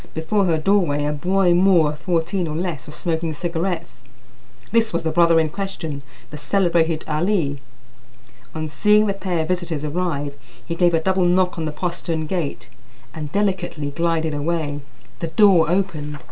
Before her doorway a boy Moor of fourteen or less was smoking cigarettes; this was the brother in question, the celebrated Ali. On seeing the pair of visitors arrive, he gave a double knock on the postern gate and delicately glided away. The door opened.